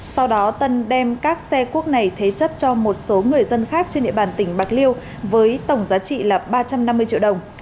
sau đó tân đem các xe cuốc này thế chấp cho một số người dân khác trên địa bàn tỉnh bạc liêu với tổng giá trị là ba trăm năm mươi triệu đồng